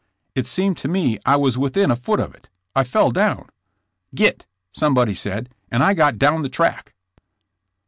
It seemed to me I was within a foot of it! I fell down. " 'Git!' somebody said, and I got down the track!"